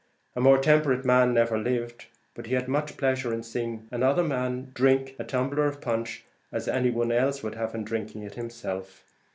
A more temperate man never lived; but he had as much pleasure in seeing another man drink a tumbler of punch, as any one else would in drinking it himself.